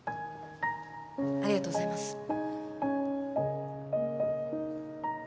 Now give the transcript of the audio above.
ありがとうございます。